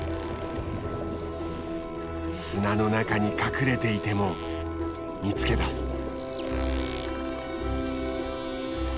砂の中に隠れていても見つけ出す。